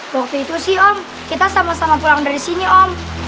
waktu itu sih om kita sama sama pulang dari sini om